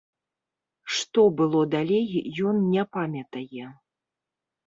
Што было далей, ён не памятае.